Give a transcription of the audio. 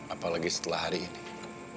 apalagi setelah hari ini